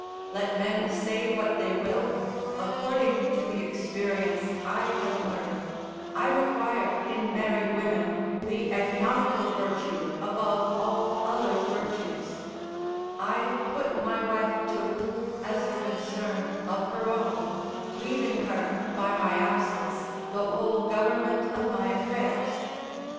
Let men say what they will, according to the experience I have learned, I require in married women the economical virtue above all other virtues; I put my wife to't, as a concern of her own, leaving her, by my absence, the whole government of my affairs.